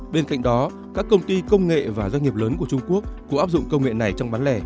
bên cạnh đó các công ty công nghệ và doanh nghiệp lớn của trung quốc cũng áp dụng công nghệ này trong bán lẻ